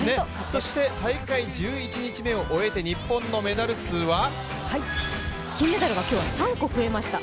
そして大会１１日目を終えて日本のメダル数は金メダルが今日は４個増えました。